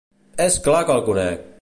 És clar que el conec!